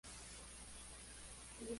En este mismo año sufre presidio político.